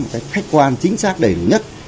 cách quan chính xác đầy nhất